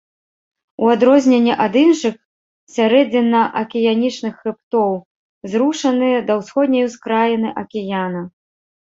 У адрозненне ад іншых сярэдзінна-акіянічных хрыбтоў, зрушаны да ўсходняй ускраіны акіяна.